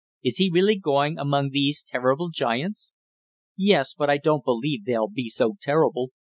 "Is he really going among these terrible giants?" "Yes, but I don't believe they'll be so terrible.